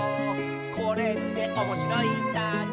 「これっておもしろいんだね」